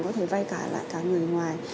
có thể vay cả lại cả người ngoài